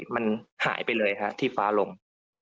มันหายไปเลยที่ฟ้าลง